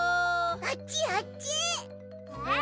あっちあっち！